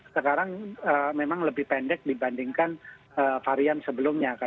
sekarang memang lebih pendek dibandingkan varian sebelumnya